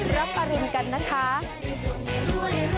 รับเปลี่ยนหนูทอง